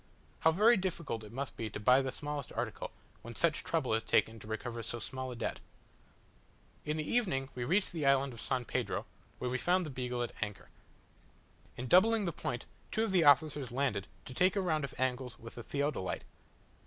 How very difficult it must be to buy the smallest article, when such trouble is taken to recover so small a debt. In the evening we reached the island of San Pedro, where we found the Beagle at anchor. In doubling the point, two of the officers landed to take a round of angles with the theodolite.